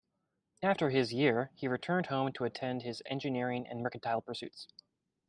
After his year, he returned home to attend to his engineering and mercantile pursuits.